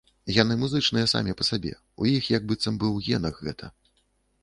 Яны музычныя самі па сабе, у іх як быццам бы ў генах гэта.